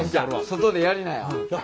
外でやりなや。